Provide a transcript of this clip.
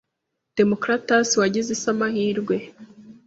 Democritus wagize isi amahirwe